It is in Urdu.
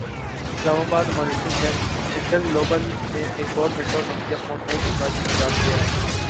اسلام آباد مانیٹرنگ ڈیسک انٹل گلوبل نے ایک اور ونڈو نوکیا فون نئی ٹیکنالوجی میں ایجاد کیا ہے